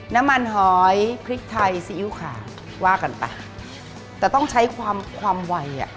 น้ำมันหอยพริกไทยซีอิ๊วขาวว่ากันไปแต่ต้องใช้ความความไวอ่ะ